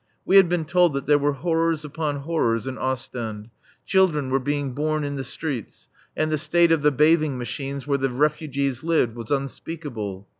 We had been told that there were horrors upon horrors in Ostend. Children were being born in the streets, and the state of the bathing machines where the refugees lived was unspeakable.